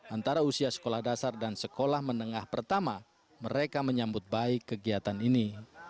antara usia sekolah dasar dan sekolah menengah pertama mereka menyambut baik kegiatan ini